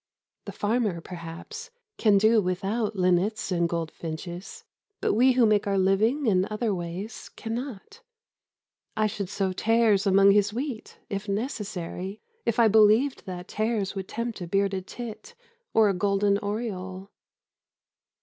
The farmer, perhaps, can do without linnets and goldfinches, but we who make our living in other ways cannot. I should sow tares among his wheat, if necessary, if I believed that tares would tempt a bearded tit or a golden oriole.